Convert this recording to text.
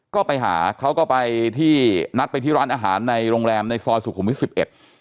ก็ไปหาเขาก็ไปที่นัดไปที่ร้านอาหารในโรงแรมในซอยสุขุมวิทสิบเอ็ด